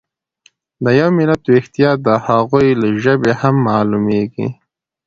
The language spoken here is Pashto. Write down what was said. د یو ملت ويښتیا د هغوی له ژبې هم مالومیږي.